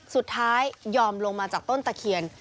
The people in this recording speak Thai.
สุดท้ายยอมลงมาจากต้นตะเคียน